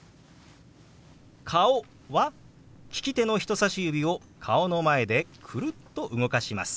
「顔」は利き手の人さし指を顔の前でくるっと動かします。